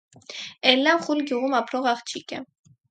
Էլլան խուլ գյուղում ապրող աղջիկ է։